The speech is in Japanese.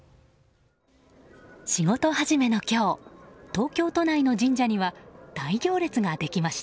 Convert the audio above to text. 仕事始めの今日東京都内の神社には大行列ができました。